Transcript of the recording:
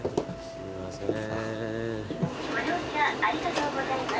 ご乗車ありがとうございます。